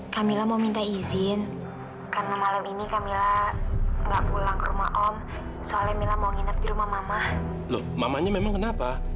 sampai jumpa di video selanjutnya